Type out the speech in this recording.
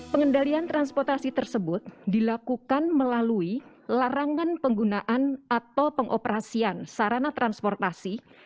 pengendalian transportasi tersebut dilakukan melalui larangan penggunaan atau pengoperasian sarana transportasi